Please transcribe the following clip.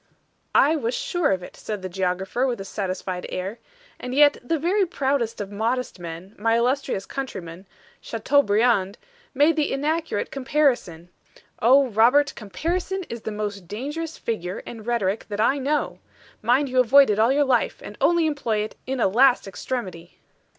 "I was sure of it," said the geographer, with a satisfied air; "and yet the very proudest of modest men, my illustrious countryman, Chateaubriand, made the inaccurate comparison. Oh, Robert, comparison is the most dangerous figure in rhetoric that I know. Mind you avoid it all your life, and only employ it in a last extremity."